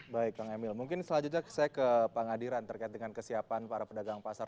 baik kang emil mungkin selanjutnya saya ke pengadilan terkait dengan kesiapan para pedagang pasar